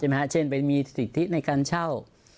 ใช่ไหมคะเช่นไปมีสิทธิในการเช่า